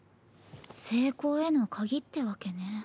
成功への鍵ってわけね。